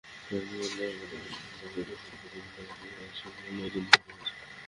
চার জেলায় গতকাল সোমবার পৃথক সড়ক দুর্ঘটনায় পাঁচ নারীশ্রমিকসহ নয়জন নিহত হয়েছেন।